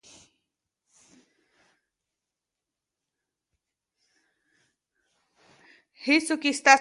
هېڅوک یې ستاسې لپاره نشي کولی.